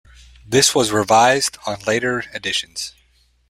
This was revised on later editions.